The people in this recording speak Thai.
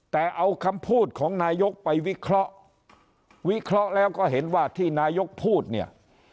แต่เอาคำพูดของนายกไปวิเคราะห์วิเคราะห์แล้วก็เห็นว่าที่นายกพูดเนี่ย